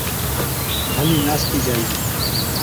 ڀلِي ناستِي جائِي،